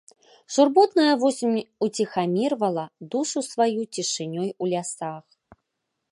Журботная восень уціхамірвала душу сваёю цішынёй у лясах.